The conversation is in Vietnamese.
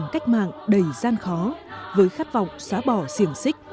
cách mạng đầy gian khó với khát vọng xóa bỏ siềng xích